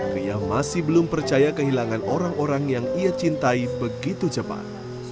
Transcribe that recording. ria masih belum percaya kehilangan orang orang yang ia cintai begitu cepat